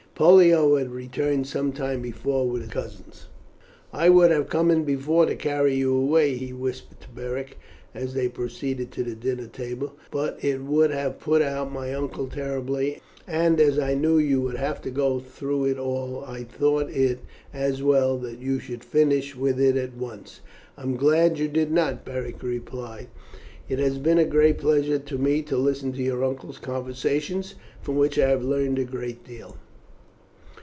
Pollio had returned some time before with his cousins. "I would have come in before to carry you away," he whispered to Beric as they proceeded to the dinner table, "but it would have put out my uncle terribly, and as I knew you would have to go through it all I thought it as well that you should finish with it at once." "I am glad you did not," Beric replied. "It has been a great pleasure to me to listen to your uncle's conversation, from which I have learned a good deal."